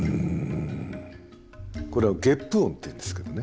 これはゲップ音っていうんですけどね